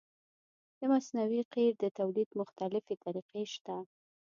د مصنوعي قیر د تولید مختلفې طریقې شته